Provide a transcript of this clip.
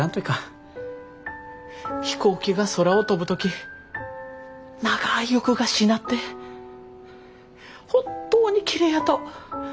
飛行機が空を飛ぶ時長い翼がしなって本当にきれいやと。